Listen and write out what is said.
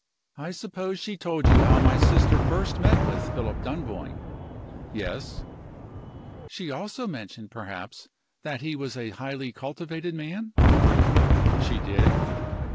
I suppose she told you how my sister first met with Philip Dunboyne?" "Yes." "She also mentioned, perhaps, that he was a highly cultivated man?" "She did."